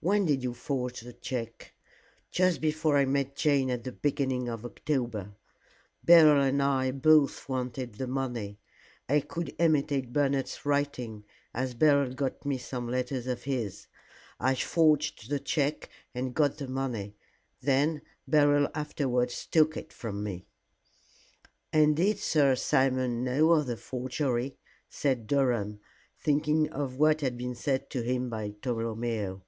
"When did you forge the check?" "Just before I met Jane at the beginning of October. Beryl and I both wanted the money. I could imitate Bernard's writing, as Beryl got me some letters of his. I forged the check and got the money. Then Beryl afterwards took it from me." "And did Sir Simon know of the forgery?" said Durham, thinking of what had been said to him by Tolomeo.